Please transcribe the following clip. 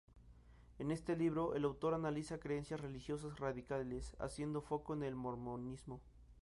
En este libro, el autor analiza creencias religiosas radicales, haciendo foco en el Mormonismo.